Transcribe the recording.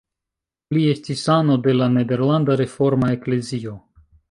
Li estis ano de la Nederlanda Reforma Eklezio.